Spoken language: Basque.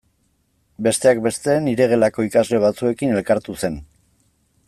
Besteak beste nire gelako ikasle batzuekin elkartu zen.